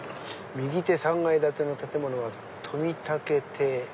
「右手３階建ての建物は富竹亭」。